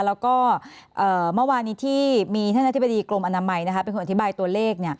แล้วก็เมื่อวานี้ที่มีท่านอธิบดีกรมอนามัยเป็นคนอธิบายตัวเลข